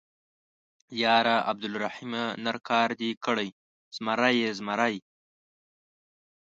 _ياره عبدالرحيمه ، نر کار دې کړی، زمری يې، زمری.